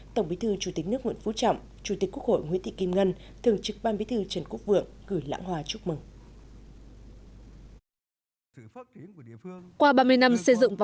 tổng bí thư chủ tịch nước nguyễn phú trọng chủ tịch quốc hội nguyễn thị kim ngân thường trực ban bí thư trần quốc vượng gửi lãng hòa chúc mừng